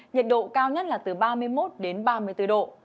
nhiệt độ cao nhất là từ ba mươi một đến ba mươi bốn độ